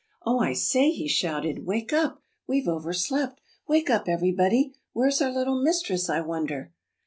"Oh, I say," he shouted, "Wake up! We've overslept. Wake up, everybody! Where's our little mistress, I wonder?"